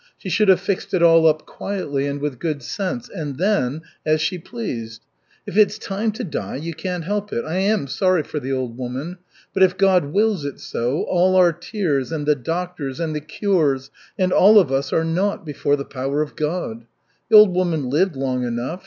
"She should have fixed it all up quietly and with good sense, and then as she pleased! If it's time to die you can't help it. I am sorry for the old woman. But if God wills it so, all our tears, and the doctors, and the cures, and all of us are naught before the power of God. The old woman lived long enough.